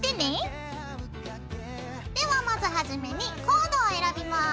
ではまずはじめにコードを選びます。